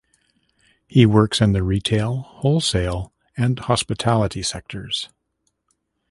He works in the retail, wholesale and hospitality sectors.